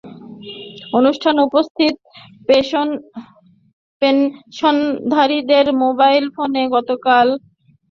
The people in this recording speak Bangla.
অনুষ্ঠানে উপস্থিত পেনশনধারীদের মোবাইল ফোনে গতকাল তাৎক্ষণিকভাবেই এ রকম খুদে বার্তা আসে।